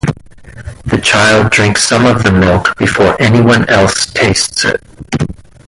The child drinks some of the milk before anyone else tastes it.